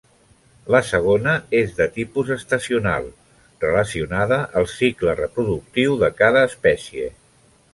La segona és de tipus estacional, relacionada al cicle reproductiu de cada espècie.